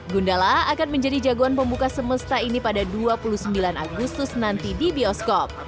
gundala akan menjadi jagoan pembuka semesta ini pada dua puluh sembilan agustus nanti di bioskop